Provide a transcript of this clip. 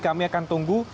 kami akan tunggu